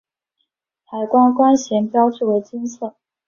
海关关衔标志为金色。